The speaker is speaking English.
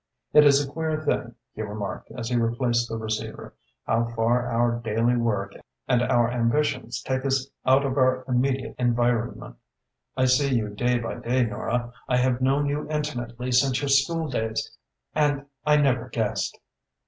"It is a queer thing," he remarked, as he replaced the receiver, "how far our daily work and our ambitions take us out of our immediate environment. I see you day by day, Nora, I have known you intimately since your school days and I never guessed."